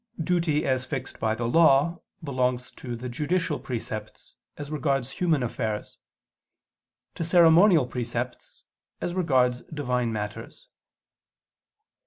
Duty as fixed by the Law, belongs to the judicial precepts, as regards human affairs; to the ceremonial precepts, as regards Divine matters.